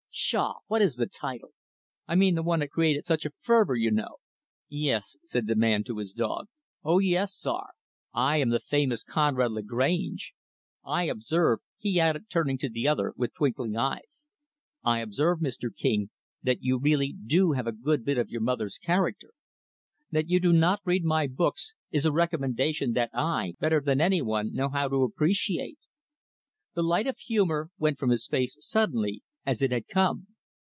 Pshaw! what is the title? I mean the one that created such a furore, you know." "Yes" said the man, to his dog "O yes, Czar I am the famous Conrad Lagrange. I observe" he added, turning to the other, with twinkling eyes "I observe, Mr. King, that you really do have a good bit of your mother's character. That you do not read my books is a recommendation that I, better than any one, know how to appreciate." The light of humor went from his face, suddenly, as it had come.